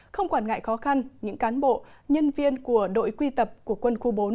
không quản ngại khó khăn những cán bộ nhân viên của đội quy tập của quân khu bốn